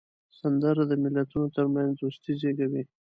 سندره د ملتونو ترمنځ دوستي زیږوي